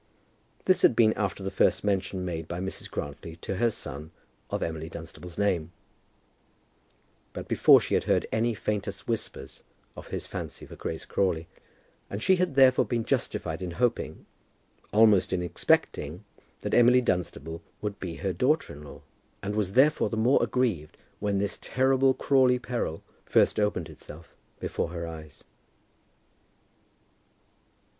This had been after the first mention made by Mrs. Grantly to her son of Emily Dunstable's name, but before she had heard any faintest whispers of his fancy for Grace Crawley; and she had therefore been justified in hoping, almost in expecting, that Emily Dunstable would be her daughter in law, and was therefore the more aggrieved when this terrible Crawley peril first opened itself before her eyes.